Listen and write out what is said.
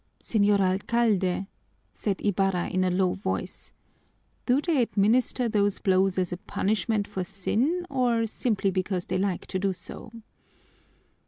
"Señor Alcalde," said Ibarra in a low voice, "do they administer those blows as a punishment for sin or simply because they like to do so?"